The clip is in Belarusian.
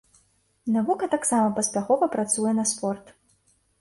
Навука таксама паспяхова працуе на спорт.